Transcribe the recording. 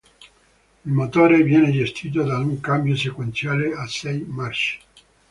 Il motore viene gestito da un cambio sequenziale a sei marce.